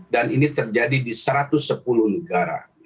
dan ini terjadi di satu ratus sepuluh negara